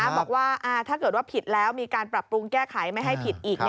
บอกว่าถ้าเกิดว่าผิดแล้วมีการปรับปรุงแก้ไขไม่ให้ผิดอีก